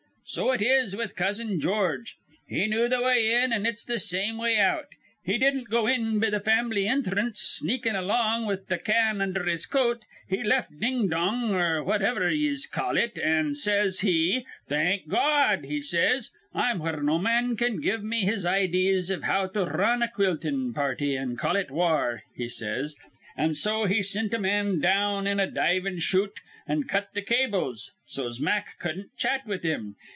"So it is with Cousin George. He knew th' way in, an' it's th' same way out. He didn't go in be th' fam'ly inthrance, sneakin' along with th' can undher his coat. He left Ding Dong, or whativer 'tis ye call it, an' says he, 'Thank Gawd,' he says, 'I'm where no man can give me his idees iv how to r run a quiltin' party, an' call it war,' he says. An' so he sint a man down in a divin' shute, an' cut th' cables, so's Mack cudden't chat with him.